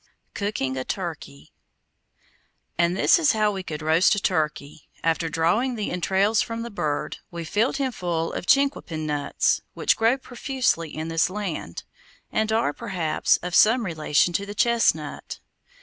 COOKING A TURKEY And this is how we could roast a turkey: after drawing the entrails from the bird, we filled him full of chinquapin nuts, which grow profusely in this land, and are, perhaps, of some relation to the chestnut.